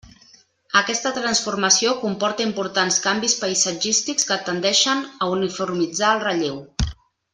Aquesta transformació comporta importants canvis paisatgístics que tendeixen a uniformitzar el relleu.